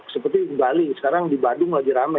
seperti bali sekarang di badung lagi rame